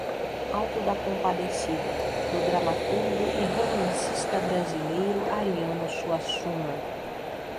Auto da Compadecida, do dramaturgo e romancista brasileiro Ariano Suassuna